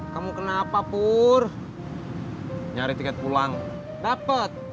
kamu kenapa pur nyari tiket pulang dapat